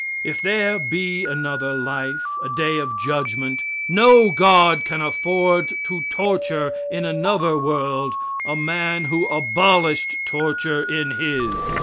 If there be another life, a day of judgment, no God can afford to torture in another world a man who abolished torture in his.